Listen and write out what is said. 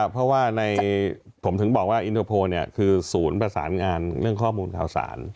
เพราะว่าผมถึงบอกว่าอินเตอร์โพลคือศูนย์ประสานงานเรื่องข้อมูลข่าวสาร